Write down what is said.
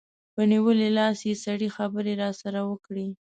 په نیولي لاس یې سړې خبرې راسره وکړې.